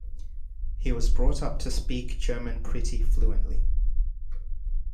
He was brought up to speak German pretty fluently.